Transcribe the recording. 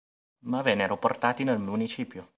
Ma vennero portati nel Municipio.